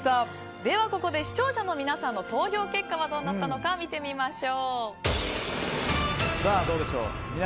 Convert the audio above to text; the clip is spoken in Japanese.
ではここで視聴者の皆さんの投票結果はどうなったのかどうなったのか見てみましょう。